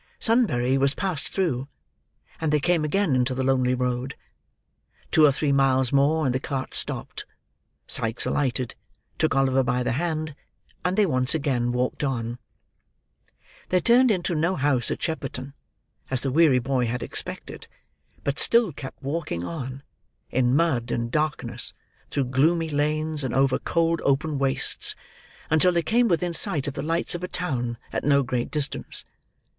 Sunbury was passed through, and they came again into the lonely road. Two or three miles more, and the cart stopped. Sikes alighted, took Oliver by the hand, and they once again walked on. They turned into no house at Shepperton, as the weary boy had expected; but still kept walking on, in mud and darkness, through gloomy lanes and over cold open wastes, until they came within sight of the lights of a town at no great distance.